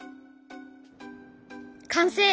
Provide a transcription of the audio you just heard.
完成！